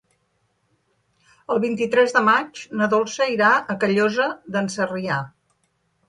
El vint-i-tres de maig na Dolça irà a Callosa d'en Sarrià.